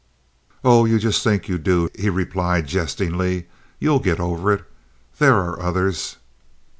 "Oh, you just think you do," he replied, jestingly. "You'll get over it. There are others."